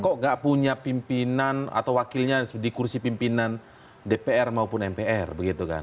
kok gak punya pimpinan atau wakilnya di kursi pimpinan dpr maupun mpr begitu kan